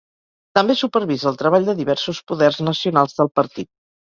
També supervisa el treball de diversos poders nacionals del partit.